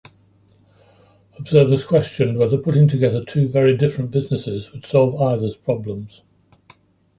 Observers questioned whether putting together two very different businesses would solve either's problems.